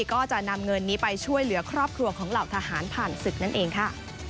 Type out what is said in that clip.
ก็จะนำเงินนี้ไปช่วยเหลือครอบครัวของเหล่าทหารผ่านศึกนั่นเองค่ะ